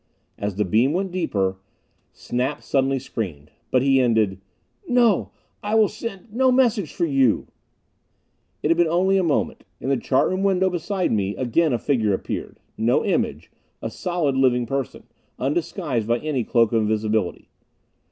As the beam went deeper, Snap suddenly screamed. But he ended, "No! I will send no message for you " It had been only a moment. In the chart room window beside me again a figure appeared! No image. A solid, living person, undisguised by any cloak of invisibility.